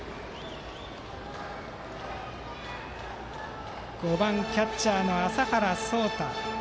続いて５番キャッチャーの麻原草太。